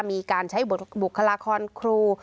มีการใช้บุคลากรครู